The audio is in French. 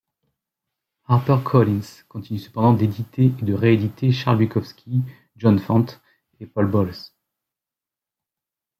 HarperCollins continue cependant d'éditer et de rééditer Charles Bukowski, John Fante et Paul Bowles.